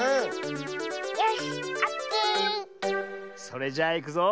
それじゃあいくぞ。